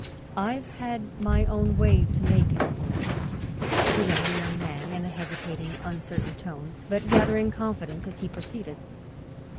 "I've had my own way to make in the world," began the young man, in a hesitating, uncertain tone, but gathering confidence as he proceeded.